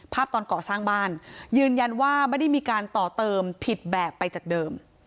ตอนก่อสร้างบ้านยืนยันว่าไม่ได้มีการต่อเติมผิดแบบไปจากเดิม